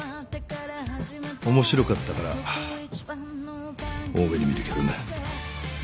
面白かったから大目に見るけどね。